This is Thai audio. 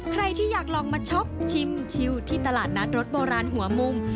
ใครที่อยากลองมาช็อปชิมชิวที่ตลาดนัดรถโบราณหัวมุม